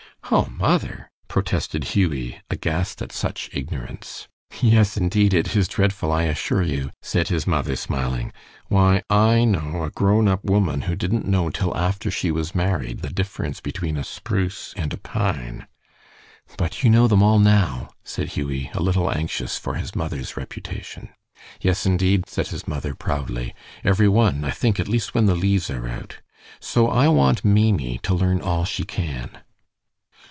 "Oh, mother!" protested Hughie, aghast at such ignorance. "Yes, indeed, it is dreadful, I assure you," said his mother, smiling. "Why, I know a grown up woman who didn't know till after she was married the difference between a spruce and a pine." "But you know them all now," said Hughie, a little anxious for his mother's reputation. "Yes, indeed," said his mother, proudly; "every one, I think, at least when the leaves are out. So I want Maimie to learn all she can."